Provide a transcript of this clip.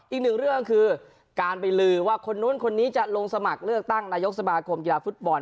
อีกหนึ่งเรื่องก็คือการไปลือว่าคนนู้นคนนี้จะลงสมัครเลือกตั้งนายกสมาคมกีฬาฟุตบอล